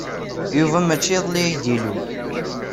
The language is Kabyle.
Yuba maci iḍelli ay d-ilul.